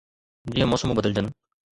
جيئن موسمون بدلجن